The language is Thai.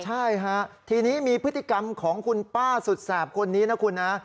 ใช่ฮะทีนี้มีพฤติกรรมของคุณป้าสุดแสบคนนี้นะคุณนะ